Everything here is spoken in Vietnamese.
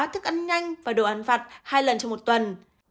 thức ăn nhanh và đồ ăn vặt hai lần trong một tuần